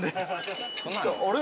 あれ？